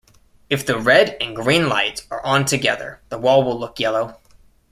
If the red and green lights are on together, the wall will look yellow.